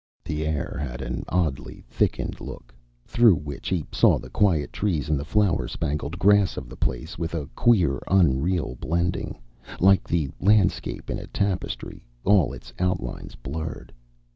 The air had an oddly thickened look, through which he saw the quiet trees and the flower spangled grass of the place with a queer, unreal blending, like the landscape in a tapestry, all its outlines blurred.